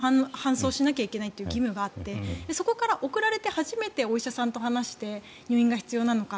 救急隊員がまず搬送しなきゃいけないという義務があってそこから送られて初めてお医者さんと話して入院が必要なのか